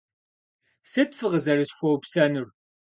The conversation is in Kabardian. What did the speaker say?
Сыт фыкъызэрысхуэупсэнур?